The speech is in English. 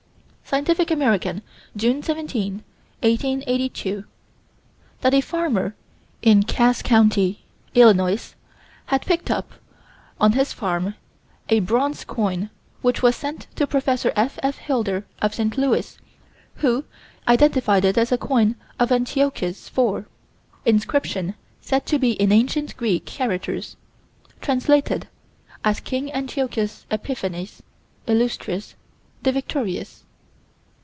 Scientific American, June 17, 1882: That a farmer, in Cass Co., Ill., had picked up, on his farm, a bronze coin, which was sent to Prof. F.F. Hilder, of St. Louis, who identified it as a coin of Antiochus IV. Inscription said to be in ancient Greek characters: translated as "King Antiochus Epiphanes (Illustrious) the Victorius."